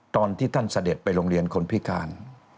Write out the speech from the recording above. ตอนที่ท่านเสด็จไปโรงเรียนคนพิการ